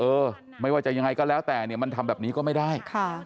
เออไม่ว่าจะยังไงก็แล้วแต่เนี่ยมันทำแบบนี้ก็ไม่ได้ค่ะ